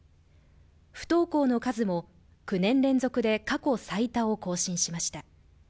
不登校の数も９年連続で過去最多を更新しました。